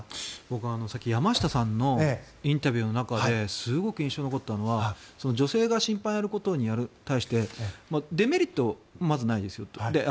僕はさっき山下さんのインタビューの中ですごく印象に残ったのは女性が審判をやることに対してデメリット、まずないですよと。